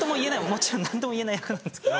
もちろん何ともいえない役なんですけど。